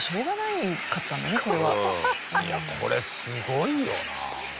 いやこれすごいよな。